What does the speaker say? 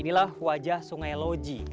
inilah wajah sungai loji